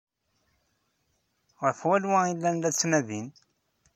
Ɣef wanwa i llan la ttnadin?